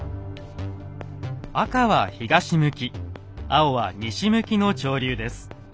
赤は東向き青は西向きの潮流です。